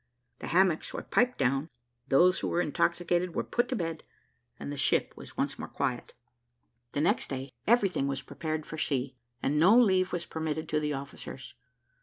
The hammocks were piped down, those who were intoxicated were put to bed, and the ship was once more quiet. The next day everything was prepared for sea, and no leave was permitted to the officers.